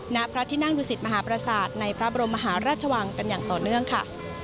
ณพระที่นั่งดุสิตมหาประสาทในพระบรมมหาราชวังกันอย่างต่อเนื่องค่ะ